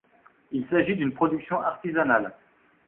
Il s'agit d'une production artisanale.